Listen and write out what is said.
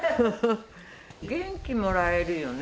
元気もらえるよね。